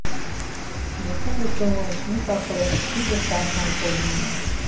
Вет уло чонем, уш-акылем тиде садлан пуэнам!